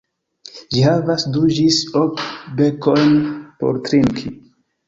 Ĝi havas du ĝis ok bekojn por trinki.